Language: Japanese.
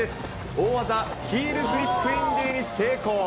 大技、ヒールフリップインディに成功。